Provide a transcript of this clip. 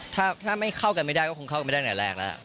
ถ้าไม่เข้ากันไม่ได้ก็คงเข้ากันไม่ได้ตั้งแต่แรกแล้ว